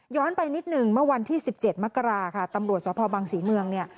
ไปนิดหนึ่งเมื่อวันที่๑๗มกราค่ะตำรวจสภบังศรีเมืองเนี่ย